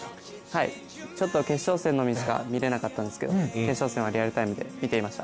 はい、決勝戦のみしか見られなかったんですけど決勝戦はリアルタイムで見ていました。